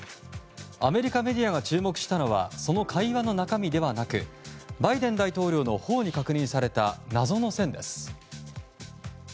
アメリカメディアが注目したのはその会話の中身ではなくバイデン大統領の頬に確認された謎の線です。